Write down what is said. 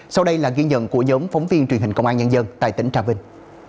sau đây là ghi nhận của giống phóng viên truyền hình công an nhân dân tại tỉnh trà vinh